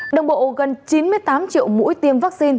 đồng bộ gần chín mươi tám triệu mũi tiêm vaccine